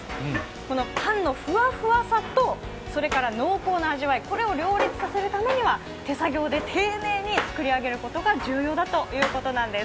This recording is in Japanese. このパンのふわふわさとそれから濃厚な味わい、これを両立させるためには手作業で丁寧に作り上げることが重要だということです。